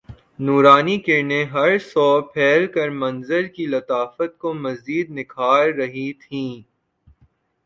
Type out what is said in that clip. نورانی کرنیں ہر سو پھیل کر منظر کی لطافت کو مزید نکھار رہی تھیں